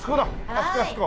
あそこあそこ。